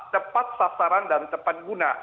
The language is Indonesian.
tepat sasaran dan tepat guna